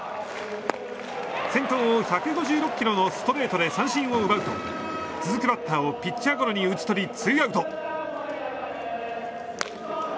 先頭を１５６キロのストレートで三振を奪うと続くバッターをピッチャーゴロに打ち取りツーアウト。